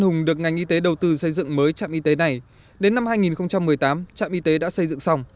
hùng được ngành y tế đầu tư xây dựng mới trạm y tế này đến năm hai nghìn một mươi tám trạm y tế đã xây dựng xong